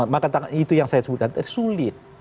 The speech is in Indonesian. betul betul itu yang saya sebutkan tadi sulit